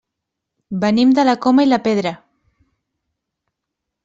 Venim de la Coma i la Pedra.